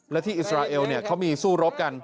และที่อิสราเอลเขามีสู้รบกัน